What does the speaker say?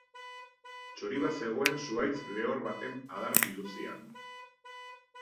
Txori bat zegoen zuhaitz lehor baten adar biluzian.